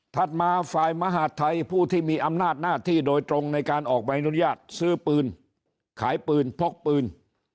มาฝ่ายมหาดไทยผู้ที่มีอำนาจหน้าที่โดยตรงในการออกใบอนุญาตซื้อปืนขายปืนพกปืน